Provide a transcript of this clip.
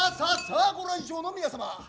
さあご来場の皆様。